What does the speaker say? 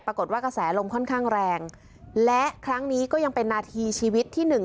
กระแสลมค่อนข้างแรงและครั้งนี้ก็ยังเป็นนาทีชีวิตที่หนึ่ง